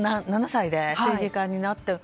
２７歳で、政治家になって。